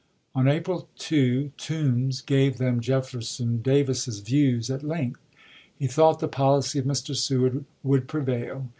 On April 2, Toombs gave them Jefferson Davis's views at length. He thought the policy of Mr. Seward would prevail.